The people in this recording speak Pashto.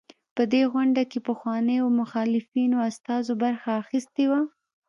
په دې غونډه کې پخوانيو مخالفینو استازو برخه اخیستې وه.